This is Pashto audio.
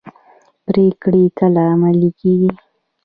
پریکړې کله عملي کیږي؟